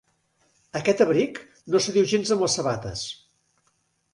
Aquest abric no s'adiu gens amb les sabates.